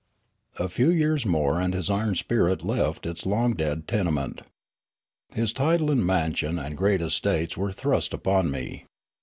A few years more and his iron spirit left its long dead tenement. His title and mansion and great estates were thrust upon me.